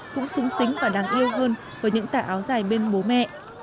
cũng xứng xính và đáng yêu hơn với những tà áo dài bên bố mẹ